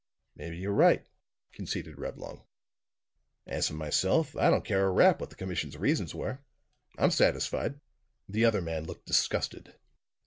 "Maybe you're right," conceded Reblong. "As for myself, I don't care a rap what the commission's reasons were. I'm satisfied!" The other man looked disgusted.